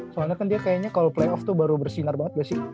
soalnya kan dia kayaknya kalau playoff tuh baru bersinar banget gak sih